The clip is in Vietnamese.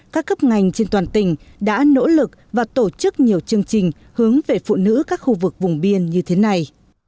các cấp ngành trên toàn tỉnh đã nỗ lực và tổ chức nhiều chương trình hướng về phụ nữ các khu vực vùng biên như thế này